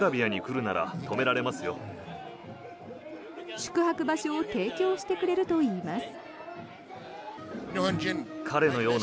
宿泊場所を提供してくれるといいます。